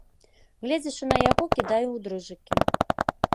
Гледзячы на яго, кідае ў дрыжыкі.